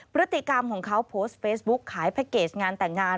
พฤติกรรมของเขาโพสต์เฟซบุ๊กขายแพ็คเกจงานแต่งงาน